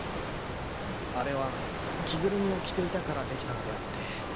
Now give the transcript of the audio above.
あれは着ぐるみを着ていたからできたのであって。